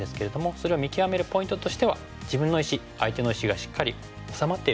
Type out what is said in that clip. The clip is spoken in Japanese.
それを見極めるポイントとしては自分の石相手の石がしっかりおさまっているか。